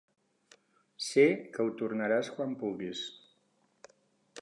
Sé que ho tornaràs quan puguis.